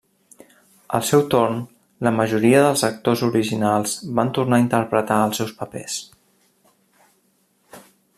Al seu torn, la majoria dels actors originals van tornar a interpretar els seus papers.